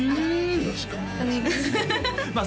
よろしくお願いします